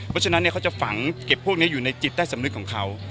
เพราะฉะนั้นเขาจะฝังเก็บพวกนี้อยู่ในจิตใต้สำนึกของเขา